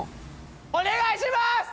お願いします！